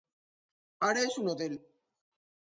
Ara és un hotel.